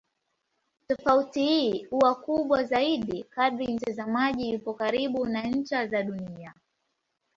Tofauti hii huwa kubwa zaidi kadri mtazamaji yupo karibu na ncha za Dunia.